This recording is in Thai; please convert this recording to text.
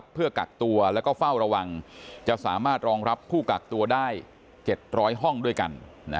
เพื่อกักตัวแล้วก็เฝ้าระวังจะสามารถรองรับผู้กักตัวได้๗๐๐ห้องด้วยกัน